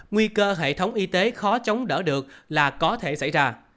nguy cơ hệ thống y tế khó chống đỡ được là có thể xảy ra